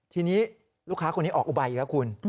ทีนี้ลูกค้าคนนี้ออกอุบายนะคุณ